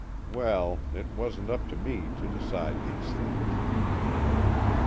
Well, it wasn't up to me to decide these things.